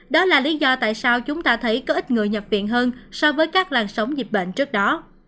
đó là lý do tại sao chúng ta thấy có ít người nhập viện hơn so với các làn sóng dịch bệnh trước đó